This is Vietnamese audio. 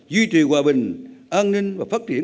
duy trì hòa bình an ninh và phát triển